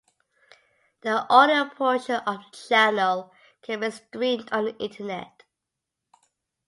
The audio portion of the channel can be streamed on the internet.